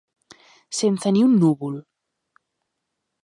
Sense ni un núvol.